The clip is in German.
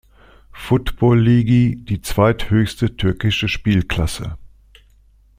Futbol Ligi, die zweithöchste türkische Spielklasse.